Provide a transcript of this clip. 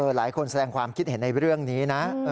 แสดงความคิดเห็นในเรื่องนี้นะ